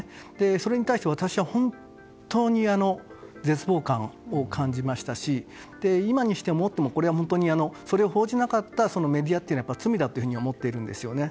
それに対して私は本当に絶望感を感じましたし今にして思ってもそれを報じなかったメディアというのは罪だというふうに思っているんですよね。